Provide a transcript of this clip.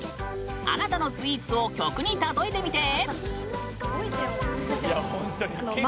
あなたのスイーツを曲に例えてみて！